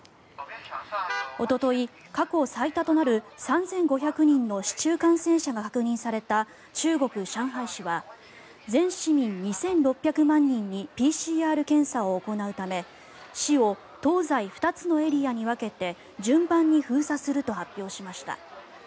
おととい、過去最多となる３５００人の市中感染者が確認された中国・上海市は全市民２６００万人にＰＣＲ検査を行うため市を東西２つのエリアに分けて順番に封鎖すると発表しました。